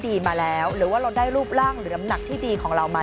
ดีมาแล้วหรือว่าเราได้รูปร่างหรือน้ำหนักที่ดีของเรามา